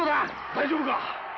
大丈夫か？